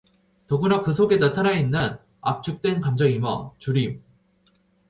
더구나 그 속에 나타나 있는 압축된 감정이며 주림